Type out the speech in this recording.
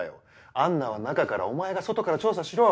アンナは中からお前が外から調査しろ。